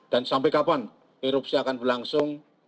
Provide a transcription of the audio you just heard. dan sampai kapan erupsi akan berlangsung